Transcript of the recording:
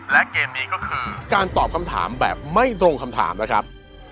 และเกมนี้ก็คือการตอบคำถามแบบไม่ตรงคำถามนะครับ